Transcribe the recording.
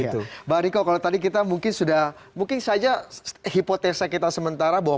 bang riko kalau tadi kita mungkin sudah mungkin saja hipotesa kita sementara bahwa